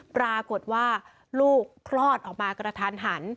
ปรากฏว่าลูกคลอดออกมากระทันหัน